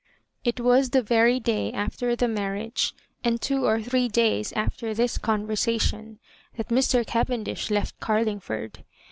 It was the very day after the marriage, and two or three dajrs after this conversation, that Mr. Cavendish left Carlingford.